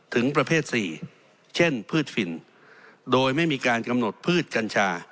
ถึงประเภทสี่เช่นพืชฝิ่นโดยไม่มีการกำหนดพืชกัญชา